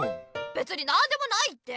べつになんでもないって。